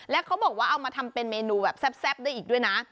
แล้วเขาบอกว่าเอามาทำเป็นเมนูแบบแซ่บได้อีกด้วยนะ